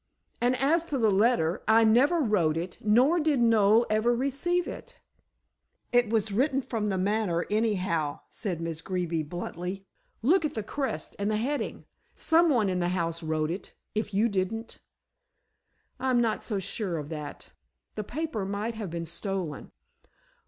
And as to the letter, I never wrote it, nor did Noel ever receive it." "It was written from The Manor, anyhow," said Miss Greeby bluntly. "Look at the crest and the heading. Someone in the house wrote it, if you didn't." "I'm not so sure of that. The paper might have been stolen."